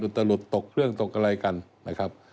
ตะหลุดตกเครื่องตกอะไรกันนะครับ